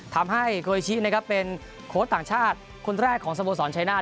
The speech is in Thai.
ทำให้โคริชินะครับเป็นโค้ชต่างชาติคนแรกของสโมสรชายนาฏ